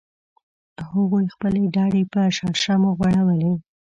هغوی خپلې ډډې په شړشمو غوړولې